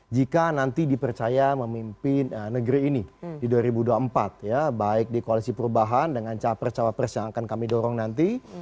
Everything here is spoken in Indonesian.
jika nanti dipercaya memimpin negeri ini di dua ribu dua puluh empat ya baik di koalisi perubahan dengan capres cawapres yang akan kami dorong nanti